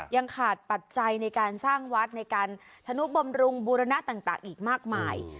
ยังขาดปัจจัยในการสร้างวัดในการธนุบำรุงบูรณะต่างอีกมากมาย